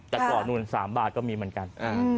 แต่ก่อนนู่น๓บาทก็มีเหมือนกัน